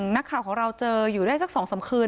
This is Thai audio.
นักข่าวของเราเจออยู่ได้สัก๒๓คืน